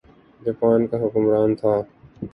Japan کا حکمران تھا۔